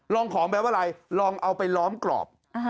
ของแปลว่าอะไรลองเอาไปล้อมกรอบ